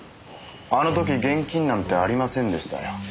あの時現金なんてありませんでしたよ。